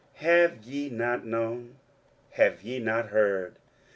23:040:021 Have ye not known? have ye not heard?